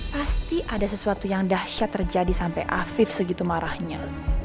pasti ada sesuatu yang dahsyat terjadi sampai afif segitu marahnya